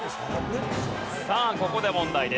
さあここで問題です。